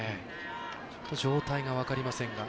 状態が分かりませんが。